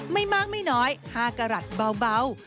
ไม่มากไม่น้อยห้ากระหลัดเบา